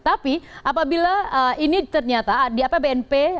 tapi apabila ini ternyata di apbnp